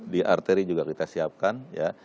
di arteri juga kita siapkan ya